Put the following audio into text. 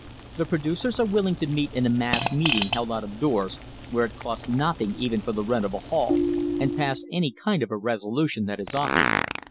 The producers are willing to meet in a mass meeting held out of doors where it costs nothing even for rent of a hall, and pass any kind of a resolution that is offered.